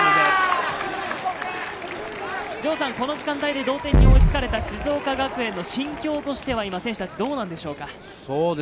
この時間帯で同点に追いつかれた静岡学園の心境としては選手達どうでしょうか？